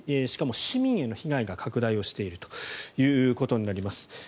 しかも、市民への被害が拡大しているということになります。